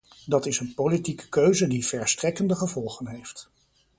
Dat is een politieke keuze die verstrekkende gevolgen heeft.